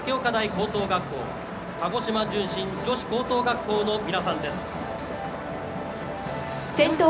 高等学校鹿児島純心女子高等学校の皆さんです。